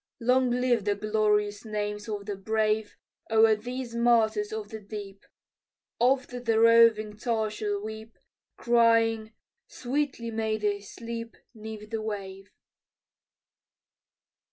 Long live the glorious names of the brave O'er these martyrs of the deep, Oft the roving tar shall weep, Crying, "Sweetly may they sleep 'Neath the wave."